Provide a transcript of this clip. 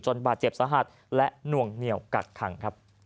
จนบาดเจ็บสะหาดและน่วงเหนียวกักทัง